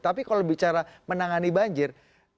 tapi kalau bicara menangani banjir